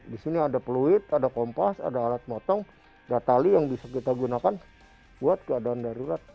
di sini ada peluit ada kompas ada alat motong ada tali yang bisa kita gunakan buat keadaan darurat